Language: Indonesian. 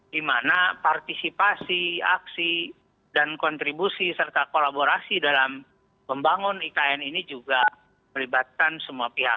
di mana partisipasi aksi dan kontribusi serta kolaborasi dalam membangun ikn ini juga melibatkan semua pihak